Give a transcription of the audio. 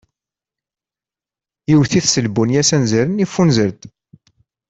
Iwwet-it s lbunya s anzaren iffunzer-d.